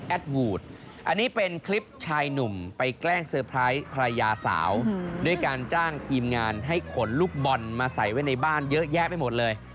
วูดอันนี้เป็นคลิปชายหนุ่มไปแกล้งเตอร์ไพรส์ภรรยาสาวด้วยการจ้างทีมงานให้ขนลูกบอลมาใส่ไว้ในบ้านเยอะแยะไปหมดเลย